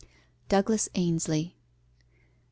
DOUGLAS AINSLIE.